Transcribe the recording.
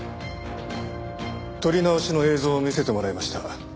撮り直しの映像を見せてもらいました。